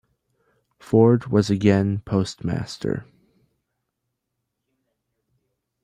Ford was again postmaster.